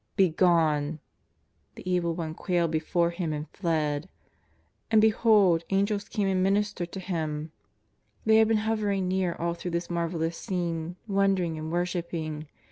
" Begone !" The Evil One quailed before Him and fled. And behold Angels came and ministered to Him. They had been hovering near all through this marvel lous scene, wondering and worshipping.